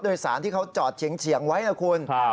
โดยสารที่เขาจอดเฉียงไว้นะคุณ